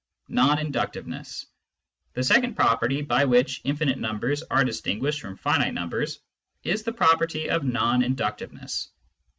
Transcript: (2) Non inductiveness. — ^The second property by which infinite numbers are distinguished from* finite numbers is the property of non inductiveness.